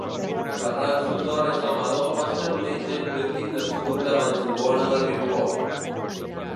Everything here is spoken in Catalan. Ferran Sotorra i Salvadó va ser un metge i polític nascut a Vallfogona de Riucorb.